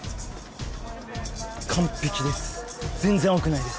完璧です。